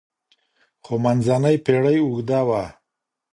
خو منځنۍ پېړۍ اوږده وه.